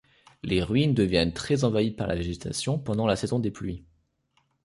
Les ruines deviennent très envahies par la végétation pendant la saison des pluies.